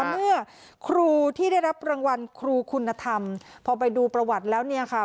เมื่อครูที่ได้รับรางวัลครูคุณธรรมพอไปดูประวัติแล้วเนี่ยค่ะ